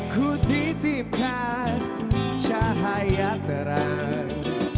kutitipkan cahaya terang